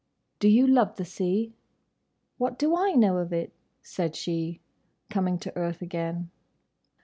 "Do you love the sea?" "What do I know of it?" said she, coming to earth again.